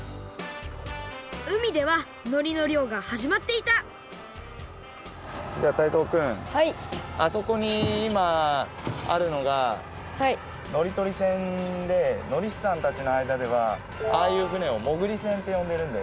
うみではのりのりょうがはじまっていたじゃあタイゾウくんあそこにいまあるのがのりとり船でのりしさんたちのあいだではああいう船をもぐり船ってよんでるんだよ。